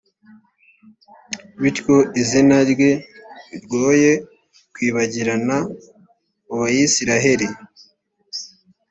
bityo izina rye ryoye kwibagirana mu bayisraheli.